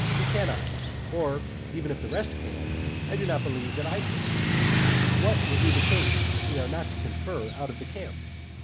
We cannot; or, even if the rest can, I do not believe that I can. What will be the case if we are not to confer out of the camp?